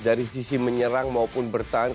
dari sisi menyerang maupun bertahan